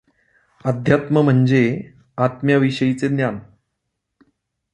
अध्यात्म म्हणजे आत्म्याविषयीचे ज्ञान.